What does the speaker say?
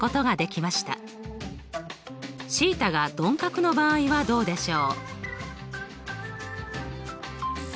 θが鈍角の場合はどうでしょう？